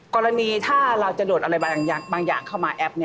กรณีถ้าเราจะโดดอะไรบางอย่างเข้ามาแอป